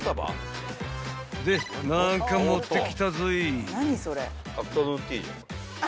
で何か持ってきたぞい］